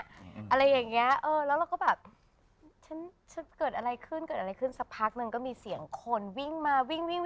อะไรอย่างนี้แล้วเราก็แบบเกิดอะไรขึ้นสักพักหนึ่งก็มีเสียงคนวิ่งมา